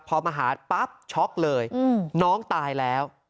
พอมาหาปั๊บช็อกเลยน้องตายแล้ว